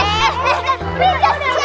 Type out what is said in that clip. nih kan prinsesnya